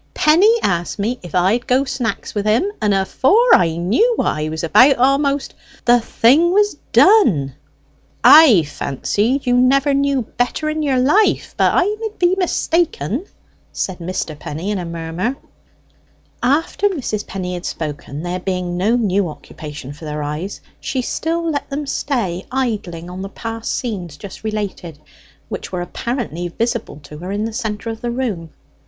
Penny asked me if I'd go snacks with him, and afore I knew what I was about a'most, the thing was done." "I've fancied you never knew better in your life; but I mid be mistaken," said Mr. Penny in a murmur. After Mrs. Penny had spoken, there being no new occupation for her eyes, she still let them stay idling on the past scenes just related, which were apparently visible to her in the centre of the room.